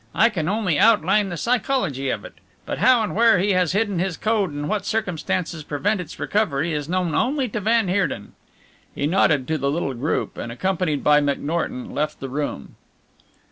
I can only outline the psychology of it, but how and where he has hidden his code and what circumstances prevent its recovery, is known only to van Heerden." He nodded to the little group, and accompanied by McNorton left the room.